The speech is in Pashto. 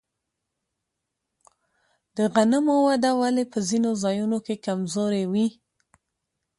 د غنمو وده ولې په ځینو ځایونو کې کمزورې وي؟